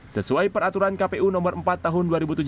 sesuai peraturan kpu nomor empat tahun dua ribu tujuh belas